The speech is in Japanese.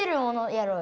やろう。